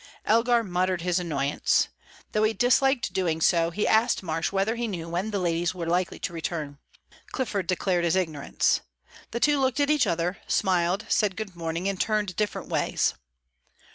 Elgar muttered his annoyance. Though he disliked doing so, he asked Marsh whether he knew when the ladies were likely to return. Clifford declared his ignorance. The two looked at each other, smiled, said good morning, and turned different ways.